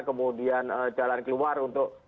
kemudian jalan keluar untuk